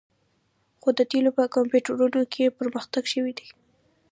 خو د تیلو په کمپیوټرونو کې پرمختګ شوی دی